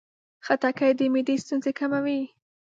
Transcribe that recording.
خټکی د معدې ستونزې کموي.